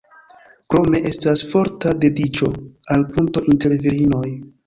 Krome estas forta dediĉo al punto inter virinoj.